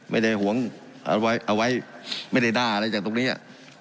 ไม่ได้ห่วงเอาไว้เอาไว้ไม่ได้ด้าอะไรจากตรงนี้